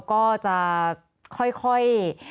ก็จะค่อย